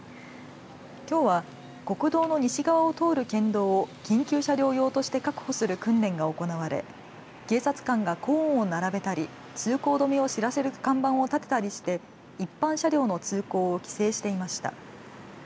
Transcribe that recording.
きょうは国道の西側を通る県道を緊急車両用として確保する訓練が行われ警察官がコーンを並べたり通行止めを知らせる看板を立てたりして一般車両の通行を規制していました。